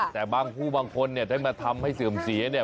แต่บางผู้บางคนเนี่ยได้มาทำให้เสื่อมเสียเนี่ย